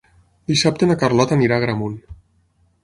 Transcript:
Dissabte na Carlota anirà a Agramunt.